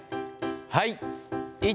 はい。